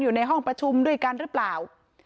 อยู่ในห้องประชุมด้วยกันหรือเปล่า